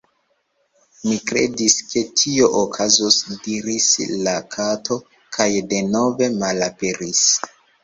"Mi kredis ke tio okazos," diris la Kato kaj denove malaperis.